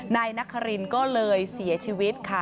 นายนครินก็เลยเสียชีวิตค่ะ